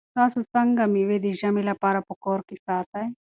تاسو څنګه مېوې د ژمي لپاره په کور کې ساتئ؟